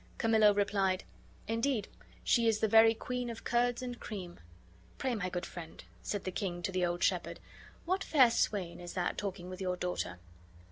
Camillo replied, "Indeed she is the very queen of curds and cream." "Pray, my good friend," said the king to the old shepherd, "what fair swain is that talking with your daughter?"